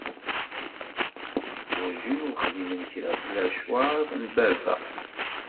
Maca! Werǧin i xdimeɣ kra bla ccur n baba.